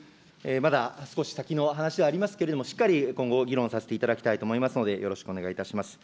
まだ少し先の話ではありますけれども、しっかり今後、議論させていただきたいと思いますので、よろしくお願いいたします。